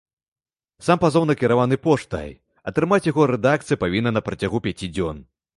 Сам пазоў накіраваны поштай, атрымаць яго рэдакцыя павінна на працягу пяці дзён.